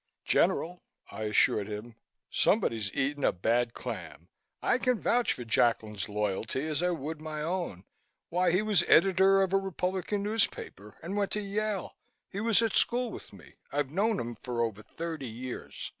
"General," I assured him, "somebody's eaten a bad clam. I can vouch for Jacklin's loyalty as I would my own. Why, he was editor of a Republican newspaper and went to Yale. He was at school with me. I've known him for over thirty years.